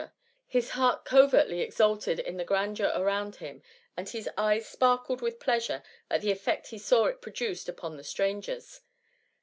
his heart co vertly exalted in the grandeur around him, and his eyes sparkled with pleasure at the effect he saw it produced upon the strangers.